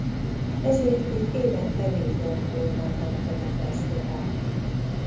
Ezért itt évente négy alkalommal tartanak fesztivált.